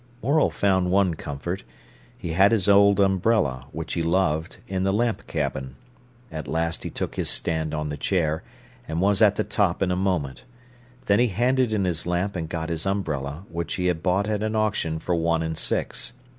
Morel found one comfort. He had his old umbrella, which he loved, in the lamp cabin. At last he took his stand on the chair, and was at the top in a moment. Then he handed in his lamp and got his umbrella, which he had bought at an auction for one and six.